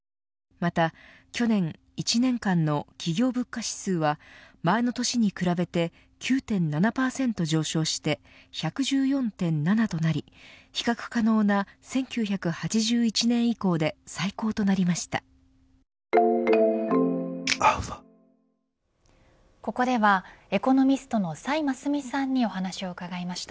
また、去年一年間の企業物価指数は前の年に比べて９．７％上昇して１１４．７となり比較可能な１９８１年以降で最高となりました。